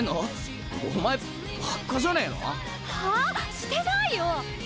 してないよ！